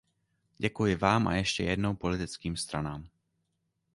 Děkuji vám a ještě jednou politickým stranám.